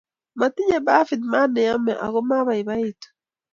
matinyei bafit maat neyomei ako ma abaibaitu